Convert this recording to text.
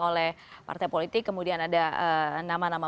oleh partai politik kemudian ada nama nama